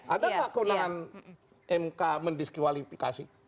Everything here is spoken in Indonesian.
ada nggak kewenangan mk mendiskualifikasi